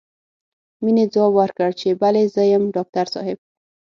مينې ځواب ورکړ چې بلې زه يم ډاکټر صاحب.